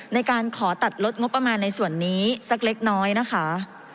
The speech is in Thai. ในการขอตัดลดงบประมาณในส่วนนี้สักเล็กน้อยนะคะ